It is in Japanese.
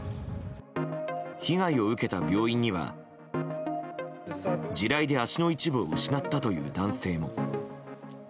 被害を受けた病院には、地雷で足の一部を失ったという男性も。